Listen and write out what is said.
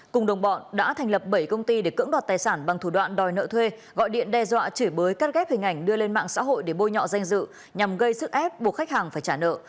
cùng đồng bọn đã thành lập bảy công ty để cưỡng đoạt tài sản bằng thủ đoạn đòi nợ thuê gọi điện đe dọa chửi bới cắt ghép hình ảnh đưa lên mạng xã hội để bôi nhọ danh dự nhằm gây sức ép buộc khách hàng phải trả nợ